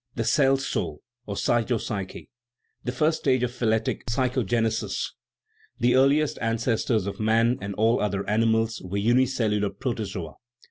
The cell soul (or cytopsyche) : first stage of phyletic psychogenesis. The earliest ancestors of man and all other animals were unicellular protozoa.